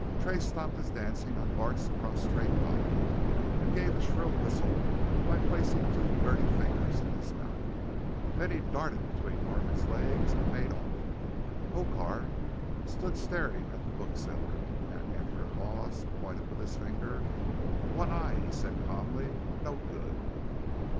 Tray stopped his dancing on Bart's prostrate body and gave a shrill whistle by placing two dirty fingers in his mouth. Then he darted between Norman's legs and made off. Hokar stood staring at the bookseller, and after a pause pointed with his finger. "One eye," he said calmly, "no good!"